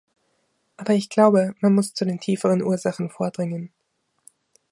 Aber ich glaube, man muss zu den tieferen Ursachen vordringen.